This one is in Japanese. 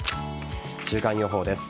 週間予報です。